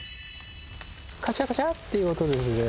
カシャカシャっていう音でですね